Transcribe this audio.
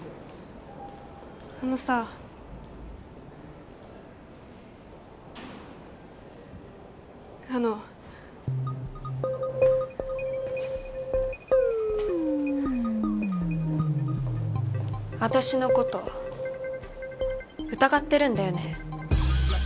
あのさあの私のこと疑ってるんだよね？